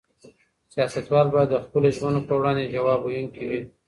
سياستوال بايد د خپلو ژمنو په وړاندي ځواب ويونکي وي.